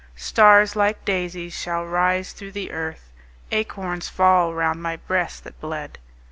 Stars, like daisies, shall rise through the earth, Acorns fall round my breast that bled.